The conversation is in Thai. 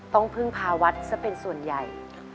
ต้องพึ่งพาวัดซะเป็นส่วนใหญ่